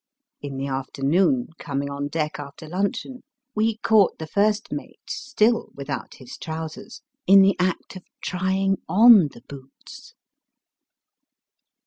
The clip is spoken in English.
In the afternoon, coming on deck after luncheon, we caught the first mate (still with out his trousers) in the act of trying on the boots.